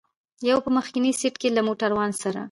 یو په مخکني سېټ کې له موټروان سره.